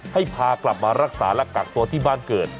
ให้พากลับมารักษาและกักตัวที่บ้านเกิด